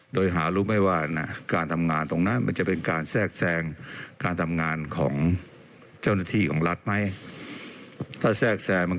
โดยหารู้ไหมว่าการทำงานตรงนั้นมันจะเป็นการแทรกแทรงการทำงานของเจ้าหน้าที่ของรัฐไหม